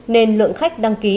nên lượng khách đăng ký